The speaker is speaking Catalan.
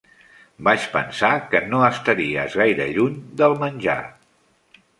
Vaig pensar que no estaries gaire lluny del menjar.